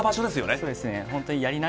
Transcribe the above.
そうですね。